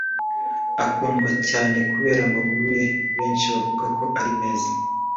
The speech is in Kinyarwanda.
ukundwa cyane kubera amaguru ye benshi bavuga ko ari meza